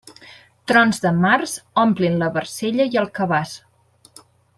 Trons de març omplin la barcella i el cabàs.